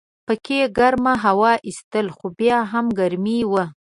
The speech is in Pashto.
پکې ګرمه هوا ایستله خو بیا هم ګرمي وه.